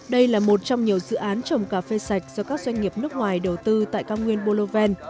đây là một trong nhiều dự án trồng cà phê sạch do các doanh nghiệp nước ngoài đầu tư tại cao nguyên boloven